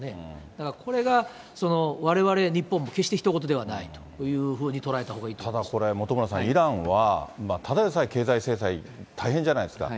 だから、これがわれわれ日本も決してひと事ではないというふうに捉えたほただ、本村さん、イランは、ただでさえ経済制裁、大変じゃないですか。